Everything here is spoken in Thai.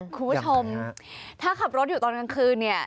คุณผู้ชมถ้าขับรถอยู่ตอนกลางคืนเนี่ย